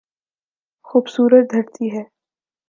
خوبصورت دھرتی ہے۔